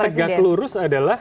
jadi tegak lurus adalah